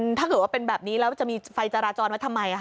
ถ้าเกิดว่าเป็นแบบนี้แล้วจะมีไฟจราจรไว้ทำไม